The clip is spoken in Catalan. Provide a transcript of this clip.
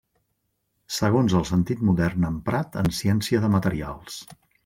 Segons el sentit modern emprat en Ciència de materials.